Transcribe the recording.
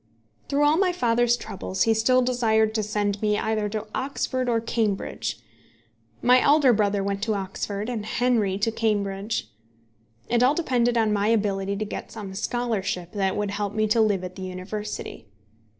Through all my father's troubles he still desired to send me either to Oxford or Cambridge. My elder brother went to Oxford, and Henry to Cambridge. It all depended on my ability to get some scholarship that would help me to live at the University.